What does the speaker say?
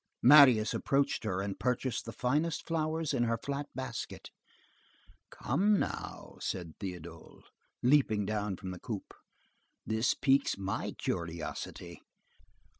Marius approached her and purchased the finest flowers in her flat basket. "Come now," said Théodule, leaping down from the coupé, "this piques my curiosity.